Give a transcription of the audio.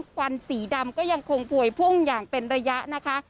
ควันสีดำก็ยังคงผวยพุ่งอย่างเป็นระยะนะคะ